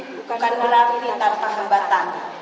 bukan berarti tanpa hembatan